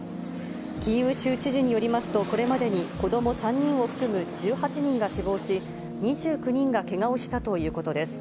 キーウ州知事によりますと、これまでに子ども３人を含む１８人が死亡し、２９人がけがをしたということです。